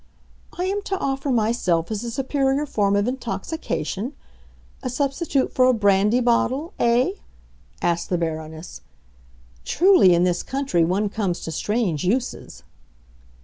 "I am to offer myself as a superior form of intoxication—a substitute for a brandy bottle, eh?" asked the Baroness. "Truly, in this country one comes to strange uses."